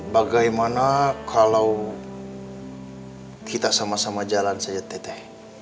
bagaimana kalo kita sama sama jalan saja teh teh